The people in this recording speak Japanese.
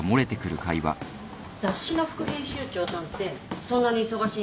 雑誌の副編集長さんってそんなに忙しいの？